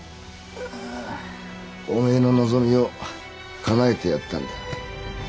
お前の望みをかなえてやったんだ。